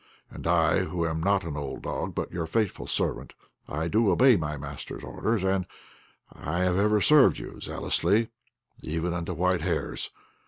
And I, who am not an old dog, but your faithful servant, I do obey my master's orders, and I have ever served you zealously, even unto white hairs.